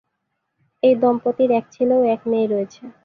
এই দম্পতির এক ছেলে ও এক মেয়ে রয়েছে।